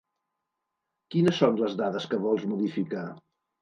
Quines són les dades que vols modificar?